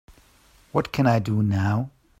what can I do now?